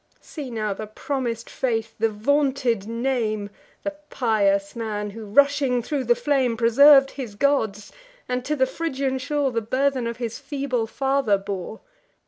See now the promis'd faith, the vaunted name, The pious man, who, rushing thro' the flame, Preserv'd his gods, and to the Phrygian shore The burthen of his feeble father bore!